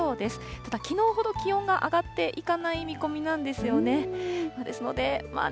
ただ、きのうほど気温が上がっていかない見込みなんですよね。